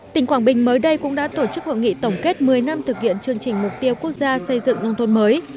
tỉnh quảng bình mới đây cũng đã tổ chức hội nghị tổng kết một mươi năm thực hiện chương trình mục tiêu quốc gia xây dựng nông thôn mới